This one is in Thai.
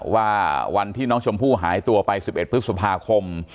ว่าวันที่น้องชมพู่หายตัวไป๑๑พฤษภาคม